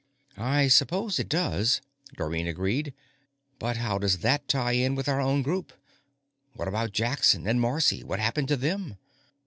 I suppose it does, Dorrine agreed, _but how does that tie in with our own Group? What about Jackson and Marcy? What happened to them?